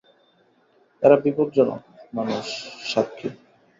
এরা বিপজ্জনক মানুষ, সাক্ষী।